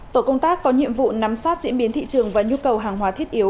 tổ công tác có nhiệm vụ nắm sát diễn biến thị trường và nhu cầu hàng hóa thiết yếu